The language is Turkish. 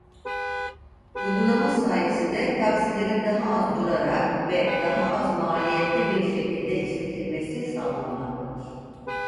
Uygulama sayesinde taksilerin daha az durarak ve daha az maliyetli bir şekilde işletilmesi sağlanmaktadır.